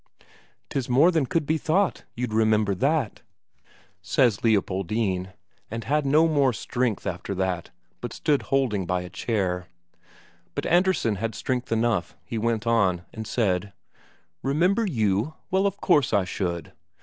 "'Tis more than could be thought, you'd remember that," says Leopoldine, and had no more strength after that, but stood holding by a chair. But Andresen had strength enough, he went on, and said: "Remember you? Well, of course I should."